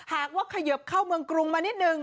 หากว่าเขยิบเข้าเมืองกรุงมานิดนึง